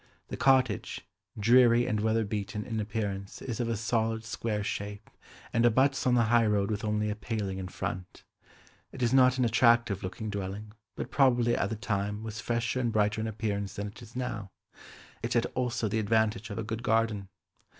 The cottage, dreary and weather beaten in appearance, is of a solid square shape, and abuts on the high road with only a paling in front. It is not an attractive looking dwelling, but probably at the time was fresher and brighter in appearance than it is now. It had also the advantage of a good garden.